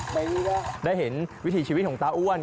ก็ไปนี่แล้วได้เห็นวิธีชีวิตของเต้าอ้วน